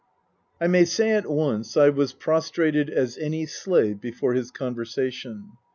I may say at once I was prostrated as any slave before his conversation.